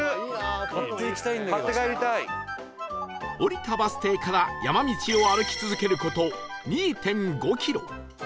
降りたバス停から山道を歩き続ける事 ２．５ キロ